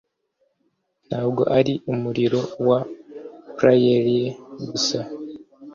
ntabwo ari umuriro wa prairie gusa